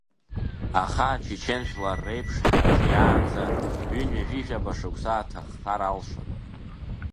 Аха ачечен жәлар реиԥш ҳаҿиаанӡа ҩынҩажәижәаба шықәса аҭаххар алшоит.